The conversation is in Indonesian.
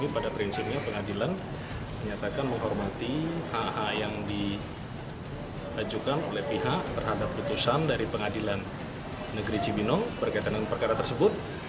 pada prinsipnya pengadilan menyatakan menghormati ha yang diajukan oleh pihak terhadap putusan dari pengadilan negeri cibinong berkaitan dengan perkara tersebut